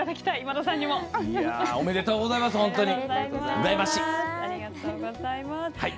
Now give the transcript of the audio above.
おめでとうございます。